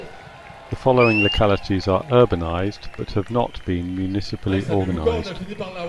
The following localities are urbanized, but have not been municipally organized.